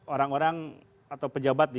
orang orang atau pejabat di